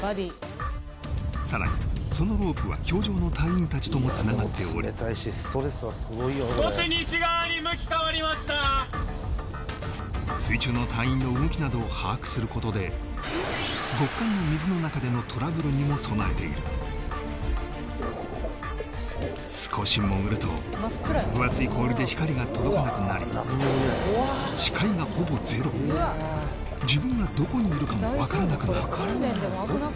さらにそのロープは氷上の隊員たちともつながっており水中の隊員の動きなどを把握することで極寒の水の中でのトラブルにも備えている少し潜ると分厚い氷で光が届かなくなり視界がほぼゼロ自分がどこにいるかもわからなくなる